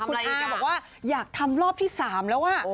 คุณอาบอกว่าอยากทำรอบที่๓แล้ว